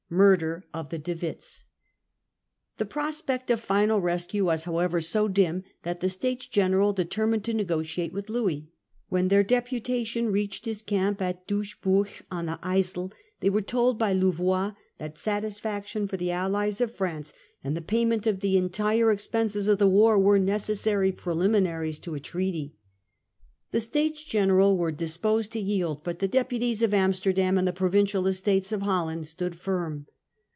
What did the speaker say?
Murder of the De Witts. The prospect of final rescue was however so dim, that the States General determined to negotiate with Louis. When their deputation reached his camp at Doesburg, on the Yssel, they were told by Louvois that satisfaction for the allies of France and the payment of the entire expenses of the war were necessary preliminaries to a treaty. The Statcs Gencral were disposed to yield, but the deputies of Amsterdam in the Provincial Estates of Holland stood firm.